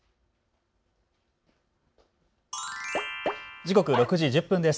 時刻は６時１０分です。